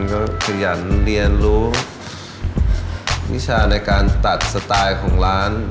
ก็ขยันเรียนรู้วิชาในการตัดสไตล์ของร้าน